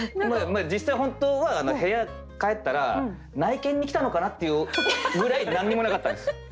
実際本当は部屋帰ったら「内見に来たのかな？」っていうぐらい何にもなかったんです本当に。